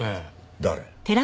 誰？